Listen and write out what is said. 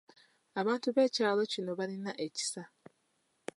Abantu b’ekyalo kino balina ekisa.